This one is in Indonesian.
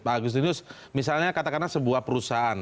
pak agustinus misalnya katakanlah sebuah perusahaan